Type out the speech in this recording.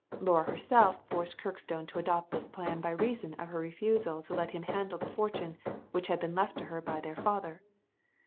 Laura herself forced Kirkstone to adopt this plan by reason of her refusal to let him handle the fortune which had been left to her by their father.